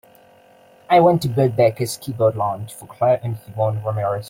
I want to book Baker's Keyboard Lounge for clare and yvonne ramirez.